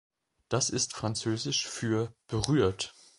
Das ist Französisch für „berührt“.